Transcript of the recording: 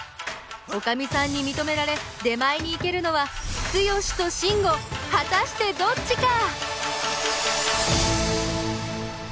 おかみさんにみとめられ出前に行けるのはツヨシとシンゴ果たしてどっちか！？